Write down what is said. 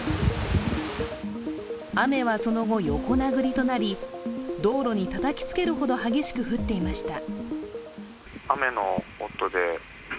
雨はその後、横殴りとなり、道路にたたきつけるほど激しく降っていました。